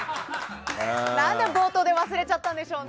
何で冒頭で忘れちゃったんでしょうね。